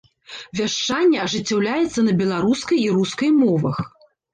Вяшчанне ажыццяўляецца на беларускай і рускай мовах.